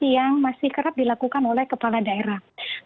yang masih kerap dilakukan oleh kepala daerah